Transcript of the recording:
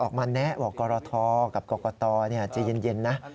ออกมาแนะว่ากรทกับกรกฎาจะเย็นนะ